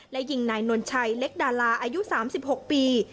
และยิงนายนวลชัยเล็กดาราอายุ๓๖ปี